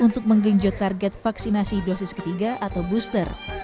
untuk menggenjot target vaksinasi dosis ketiga atau booster